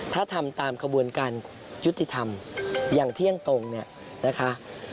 ถ้าทำตามขบวนการยุติธรรมอย่างเที่ยงตรงเนี่ยนะคะ